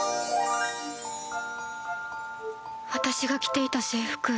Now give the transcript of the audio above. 私が着ていた制服